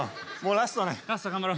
ラスト頑張ろう。